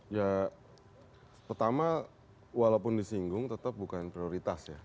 ya pertama walaupun disinggung tetap bukan prioritas ya